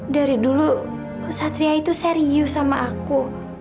dari dulu satria itu serius sama aku